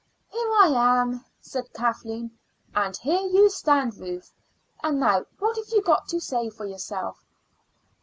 "Here I am," said Kathleen; "and here you stand, Ruth. And now, what have you got to say for yourself?"